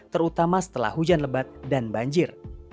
terutama setelah hujan lebat dan banjir